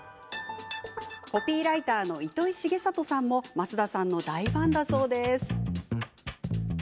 コピーライターの糸井重里さんも増田さんの大ファンだそうです。